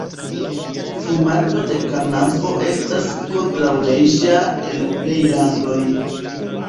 Fumado de kanabo estas kontraŭleĝa en plej landoj.